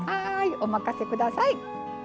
お任せください。